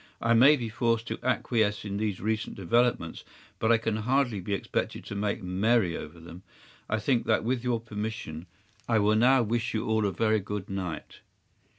“I may be forced to acquiesce in these recent developments, but I can hardly be expected to make merry over them. I think that, with your permission, I will now wish you all a very good night.